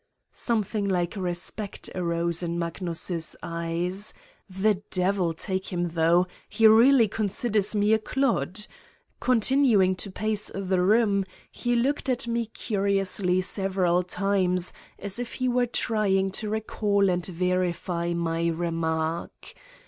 Something like respect arose in Magnus' eyes ... the devil take him, though, he really consid ers me a clod! Continuing to pace the room, he looked at me curiously several times, as if he were trying to recall and verify my remark.